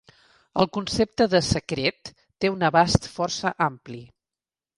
El concepte de "secret" té un abast força ampli.